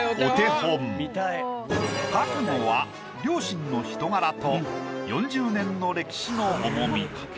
描くのは両親の人柄と４０年の歴史の重み。